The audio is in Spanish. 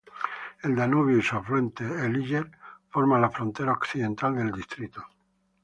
El Danubio y su afluente, el Iller, forma la frontera occidental del distrito.